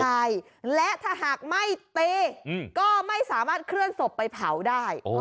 ใช่และถ้าหากไม่ตีก็ไม่สามารถเคลื่อนศพไปเผาได้